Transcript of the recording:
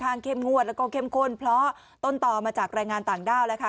เข้มงวดแล้วก็เข้มข้นเพราะต้นต่อมาจากแรงงานต่างด้าวแล้วค่ะ